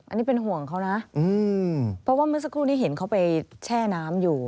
อันนี้เป็นห่วงเขานะเพราะว่าเมื่อสักครู่นี้เห็นเขาไปแช่น้ำอยู่